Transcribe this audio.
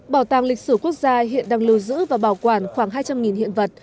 bảo tàng lịch sử quốc gia hiện đang lưu giữ và bảo quản khoảng hai trăm linh hiện vật